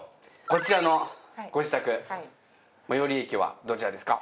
こちらのご自宅最寄駅はどちらですか？